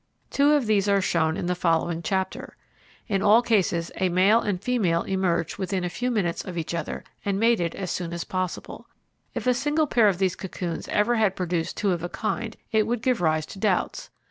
Two of these are shown in the following chapter. In all cases a male and female emerged within a few minutes of each other and mated as soon as possible. If a single pair of these cocoons ever had produced two of a kind, it would give rise to doubts.